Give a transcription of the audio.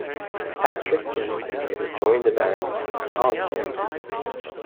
Patrik Jensen later joined the band The Haunted.